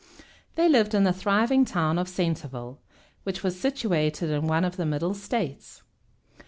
They lived in the thriving town of Centerville, which was situated in one of the Middle States.